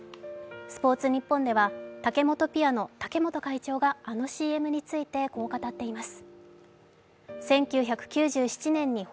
「スポーツニッポン」ではタケモトピアノ竹本会長があのＣＭについてこう語っています。